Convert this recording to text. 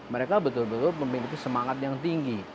mereka betul betul memiliki semangat yang tinggi